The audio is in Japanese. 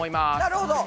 なるほど。